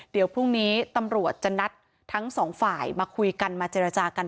เดี๋ยวพรุ่งนี้ตำรวจจะนัดทั้งสองฝ่ายมาคุยกันมาเจรจากัน